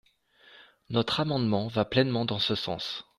Notre amendement va pleinement dans ce sens.